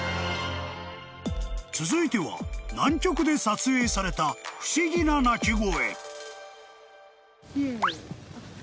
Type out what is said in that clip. ［続いては南極で撮影された不思議な鳴き声］